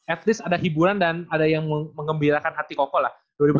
at least ada hiburan dan ada yang mengembirakan hati koko lah